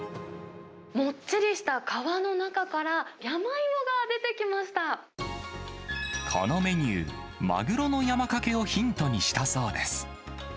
もっちりした皮の中から、このメニュー、マグロの山かけをヒントにしたそうです。